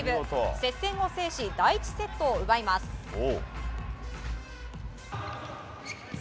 接戦を制し第１セットを奪います。